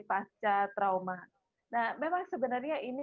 pasca trauma nah memang sebenarnya ini